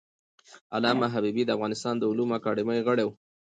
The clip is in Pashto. علامه حبیبي د افغانستان د علومو اکاډمۍ غړی و.